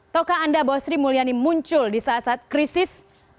taukah anda bahwa sri mulyani muncul di saat saat krisis